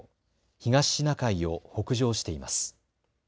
東シナ海を北上しています。